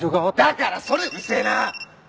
だからそれうるせえな！